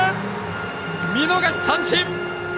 見逃し三振！